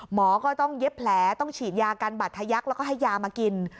หมอก็ต้องเย็บแผลต้องฉีดยากันบัตรทะยักแล้วก็ให้ยามากิน